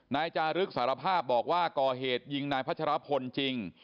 นายจารึกสารภาพบอกว่าก่อเหตุยิงนายพัชรพลจริง